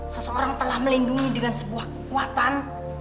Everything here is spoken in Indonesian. seseorang telah melindungi dengan sebuah kekuatan